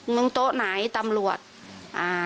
เมืองโต๊ะไหนตำรวจ